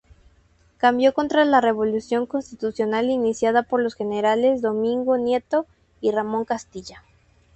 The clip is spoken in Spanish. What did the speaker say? Combatió contra la revolución constitucional iniciada por los generales Domingo Nieto y Ramón Castilla.